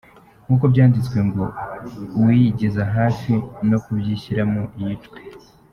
Nkuko byanditswe ngo; uwiyigiza hafi no kubyishyiramo yicwe.